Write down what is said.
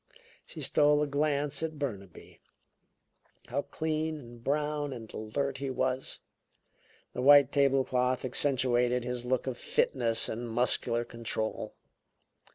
She stole a glance at Burnaby. How clean and brown and alert he was! The white table cloth accentuated his look of fitness and muscular control.